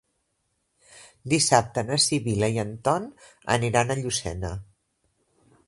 Dissabte na Sibil·la i en Ton aniran a Llucena.